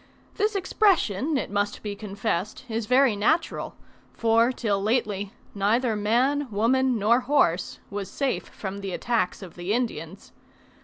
This expression, it must be confessed, is very natural, for till lately, neither man, woman nor horse, was safe from the attacks of the Indians.